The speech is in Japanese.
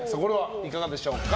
いかがでしょうか？